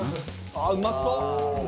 ああうまそう！